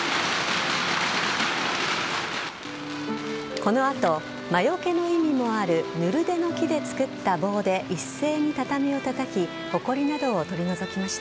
この後、魔除けの意味もあるヌルデの木で作った棒で一斉に畳をたたきほこりなどを取り除きました。